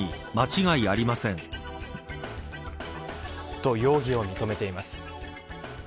と、容疑を認めています。